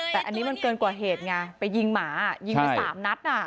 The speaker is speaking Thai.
แต่อันนี้มันเกินกว่าเหตุไงไปยิงหมายิงไป๓นัด